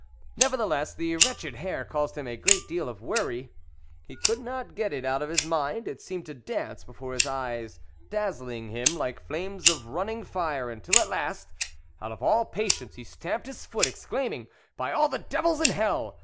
Nethertheless, the wretched hair caused him a great deal of worry ; he could not get it out of his mind, it seemed to dance before his eyes, dazzling him liko flames of running fire, until at last, out of all patience, he stamped his foot, exclaiming, "By all the devils in hell